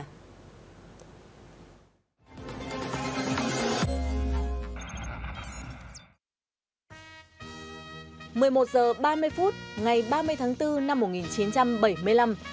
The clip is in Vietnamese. một mươi một h ba mươi phút ngày ba mươi tháng bốn năm một nghìn chín trăm bảy mươi năm